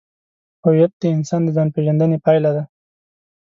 هویت د انسان د ځانپېژندنې پایله ده.